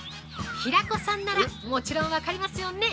平子さんならもちろん分かりますよね？